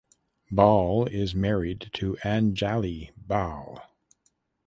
Bahl is married to Anjali Bahl.